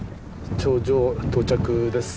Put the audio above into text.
頂上到着です。